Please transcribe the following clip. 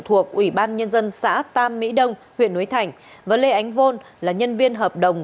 thuộc ủy ban nhân dân xã tam mỹ đông huyện núi thành và lê ánh vôn là nhân viên hợp đồng